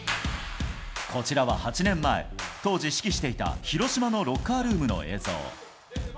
こちらは８年前、当時、指揮していた広島のロッカールームの映像。